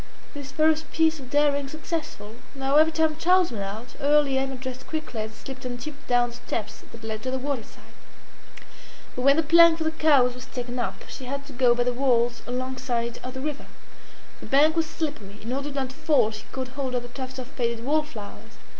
This first piece of daring successful, now every time Charles went out early Emma dressed quickly and slipped on tiptoe down the steps that led to the waterside. But when the plank for the cows was taken up, she had to go by the walls alongside of the river; the bank was slippery; in order not to fall she caught hold of the tufts of faded wallflowers.